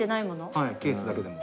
はいケースだけでも。